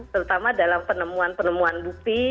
terutama dalam penemuan penemuan bukti